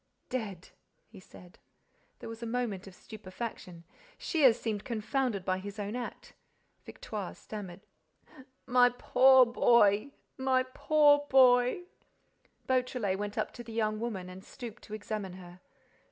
"Dead—" he said. There was a moment of stupefaction. Shears seemed confounded by his own act. Victoire stammered: "My poor boy—my poor boy—" Beautrelet went up to the young woman and stooped to examine her.